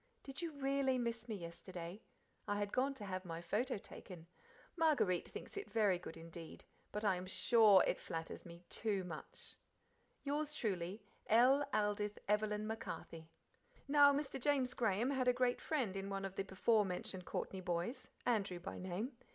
Did you REALLY miss me yesterday? I had gone to have my photo taken. Marguerite thinks it very good indeed, but I am SURE it flatters me TOO much. Yours truly, L. Aldith Evelyn MacCarthy." Now Mr. James Graham had a great friend in one of the before mentioned Courtney boys, Andrew by name.